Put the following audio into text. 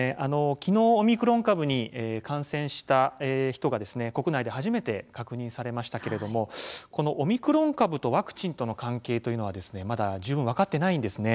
きのうオミクロン株に感染した人が国内で初めて確認されましたけれどもこのオミクロン株とワクチンとの関係というのはまだ十分分かっていないんですね。